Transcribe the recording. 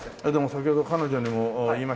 先ほど彼女にも言いましたけど